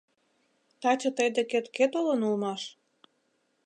— Таче тый декет кӧ толын улмаш?